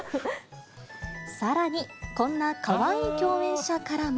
さらに、こんなかわいい共演者からも。